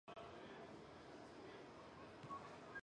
曾在法国名牌卡地亚任三年公关经理。